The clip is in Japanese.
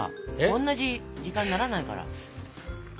おんなじ時間にならないから。